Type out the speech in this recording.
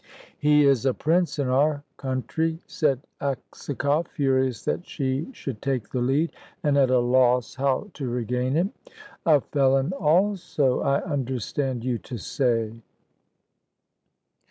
"He is a prince in our country," said Aksakoff, furious that she should take the lead, and at a loss how to regain it. "A felon also, I understood you to say."